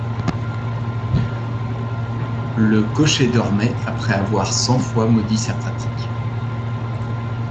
Le cocher dormait, après avoir cent fois maudit sa pratique.